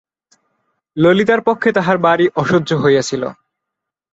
ললিতার পক্ষে তাহার বাড়ি অসহ্য হইয়াছিল।